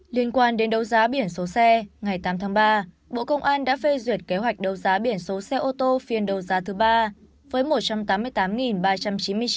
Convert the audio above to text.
liên quan đến đấu giá biển số xe ngày tám tháng ba bộ công an đã phê duyệt kế hoạch đấu giá biển số xe ô tô phiên đấu giá thứ ba